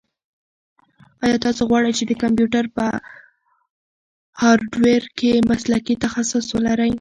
ایا تاسو غواړئ چې د کمپیوټر په هارډویر کې مسلکي تخصص ولرئ؟